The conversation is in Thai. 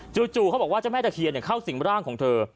เขาบอกว่าเจ้าแม่ตะเคียนเข้าสิ่งร่างของเธอ